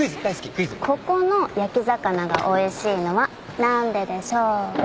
ここの焼き魚がおいしいのは何ででしょうか？